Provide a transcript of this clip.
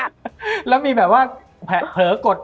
มันทำให้ชีวิตผู้มันไปไม่รอด